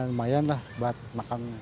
lumayan lah buat makan